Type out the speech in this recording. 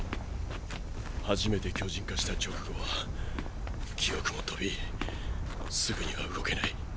初めて巨人化した直後は記憶も飛びすぐには動けない。